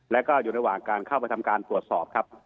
แล้วก็อยู่ระหว่างการเข้าไปทำการตรวจสอบครับ